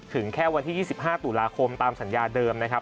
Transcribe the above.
ถึงแค่วันที่๒๕ตุลาคมตามสัญญาเดิมนะครับ